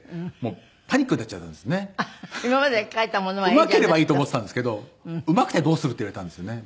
うまければいいと思ってたんですけど「うまくてどうする」って言われたんですよね